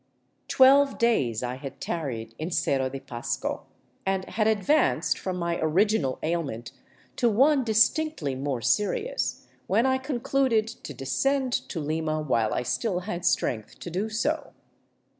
Twelve days I had tarried in Cerro de Pasco, and had advanced from my original ailment to one distinctly more serious, when I concluded to descend to Lima while I still had strength to do so.